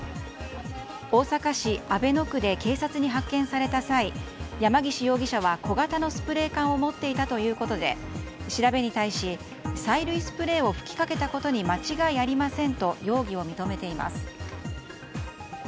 大阪市阿倍野区で警察に発見された際山岸容疑者は小型のスプレー缶を持っていたということで調べに対し催涙スプレーを吹きかけたことに間違いありませんと容疑を認めています。